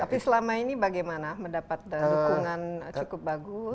tapi selama ini bagaimana mendapat dukungan cukup bagus